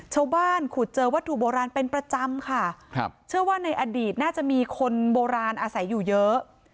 ขุดเจอวัตถุโบราณเป็นประจำค่ะครับเชื่อว่าในอดีตน่าจะมีคนโบราณอาศัยอยู่เยอะ